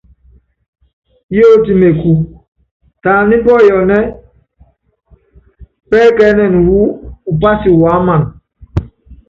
Yiɔtí mekú, tɛ ani pɔyɔnɛ́ɛ́ pɛ́kɛ́ɛ́nɛn wɔ upási wuáman.